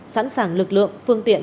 sẵn sàng lực lượng phương tiện